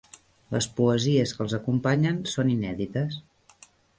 Les poesies que els acompanyen són inèdites.